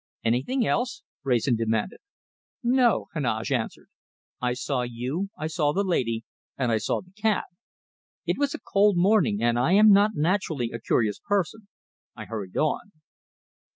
"Anything else?" Wrayson demanded. "No!" Heneage answered. "I saw you, I saw the lady, and I saw the cab. It was a cold morning, and I am not naturally a curious person. I hurried on."